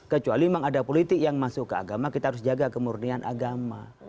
kecuali memang ada politik yang masuk ke agama kita harus jaga kemurnian agama